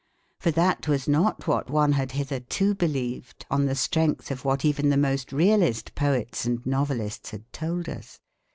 For that was not what one had hitherto believed on the strength of what even the most realist poets and novelists had told us.